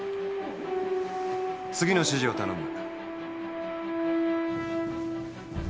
次の指示を頼む。